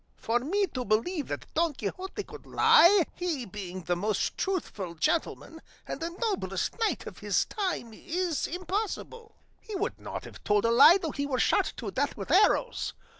For me to believe that Don Quixote could lie, he being the most truthful gentleman and the noblest knight of his time, is impossible; he would not have told a lie though he were shot to death with arrows.